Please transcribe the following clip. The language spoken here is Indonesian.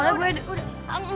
kemarin soalnya gue